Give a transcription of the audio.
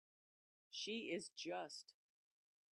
She is just.